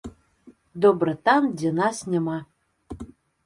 Добра там, дзе нас няма.